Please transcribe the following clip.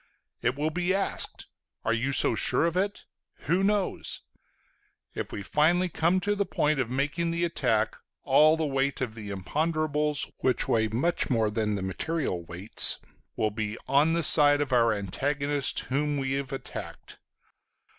It will be asked: "Are you so sure of it? Who knows?" If we finally come to the point of making the attack, all the weight of the imponderables, which weigh much more than the material weights, will be on the side of our antagonist whom we have attacked.